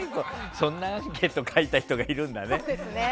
そんなアンケート書いた人いるんだね。